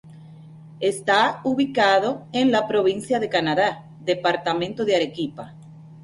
Está ubicado en la provincia de Camaná, departamento de Arequipa.